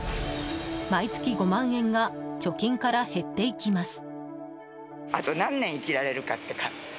毎月５万円が貯金から減っていきます。